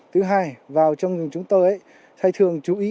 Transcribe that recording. thứ hai vào trong rừng chúng tôi ấy